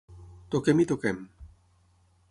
Toquem i toquem.